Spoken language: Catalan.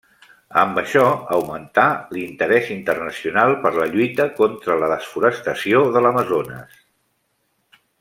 Amb això augmentà l'interès internacional per la lluita contra la desforestació de l'Amazones.